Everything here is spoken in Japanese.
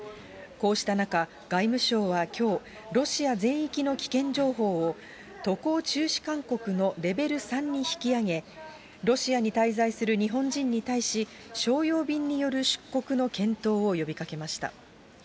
こうした中外務省はきょう、ロシア全域の危険情報を渡航中止勧告のレベル３に引き上げ、ロシアに滞在する日本人に対し、商用便による出国の検討を呼びかけました。